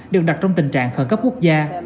được đặt trong tình trạng khẩn cấp quốc gia